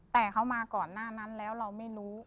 แต่เขามาก่อนหน้านั้นแล้วเราไม่รู้